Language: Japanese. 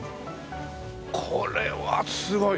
これはすごい！